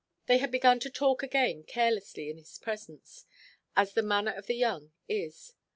They had begun to talk again carelessly in his presence, as the manner of the young is.